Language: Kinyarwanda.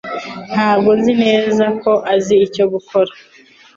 Ntabwo nzi neza ko azi icyo gukora